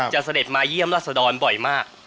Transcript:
เสด็จมาเยี่ยมราชดรบ่อยมาก